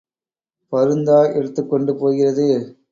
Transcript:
பருந்தா எடுத்துக் கொண்டு போகிறது?